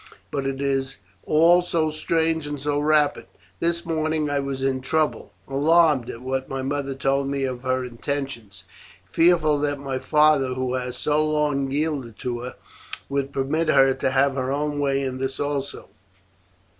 But it is all so strange and so rapid. This morning I was in trouble, alarmed at what my mother told me of her intentions, fearful that my father, who has so long yielded to her, would permit her to have her own way in this also.